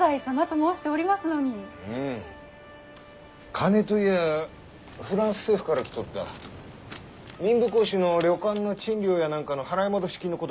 金といやぁフランス政府から来とった民部公子の旅館の賃料やなんかの払い戻し金のことばってん。